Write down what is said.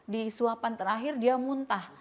di suapan terakhir dia muntah